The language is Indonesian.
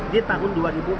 di tahun dua ribu dua puluh